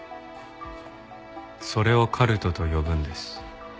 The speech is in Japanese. それをカルトと呼ぶんです。